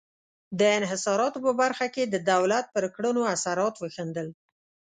د انحصاراتو په برخه کې د دولت پر کړنو اثرات وښندل.